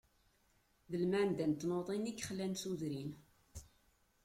D lemɛanda n tnuḍin i yexlan tudrin.